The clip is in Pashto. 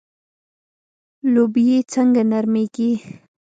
لوبیې څنګه نرمیږي؟